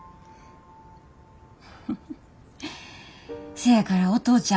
せやからお父ちゃん